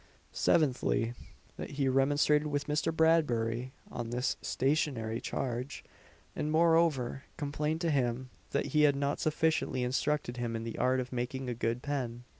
Seventhly, that he remonstrated with Mr. Bradbury on this stationery charge; and moreover complained to him that he had not sufficiently instructed him in the art of making a good pen.